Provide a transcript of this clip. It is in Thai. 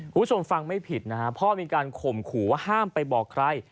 คุณผู้ชมฟังไม่ผิดนะฮะพ่อมีการข่มขู่ว่าห้ามไปบอกใคร